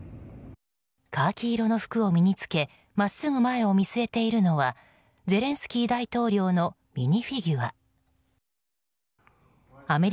カーキ色の服を身に着け真っすぐ前を見据えているのはゼレンスキー大統領のミニフィギュア。